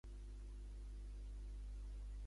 Quin vincle té amb Manuel Montalba i Pua?